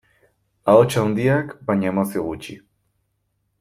Ahots handiak, baina emozio gutxi.